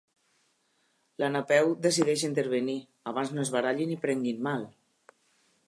La Napeu decideix intervenir, abans no es barallin i prenguin mal.